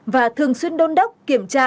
và thường xuyên đôn đốc kiểm tra